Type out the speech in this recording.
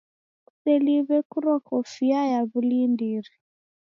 Kuseliwe kurwa kofia ya wulindiri.